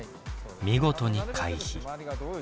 見事に回避。